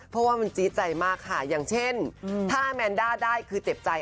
เพราะว่ามันจี๊ดใจมากค่ะอย่างเช่นถ้าแมนด้าได้คือเจ็บใจ